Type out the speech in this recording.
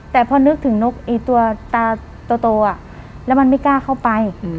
แต่พอนึกถึงนกไอ้ตัวตาโตแล้วมันไม่กล้าเข้าไป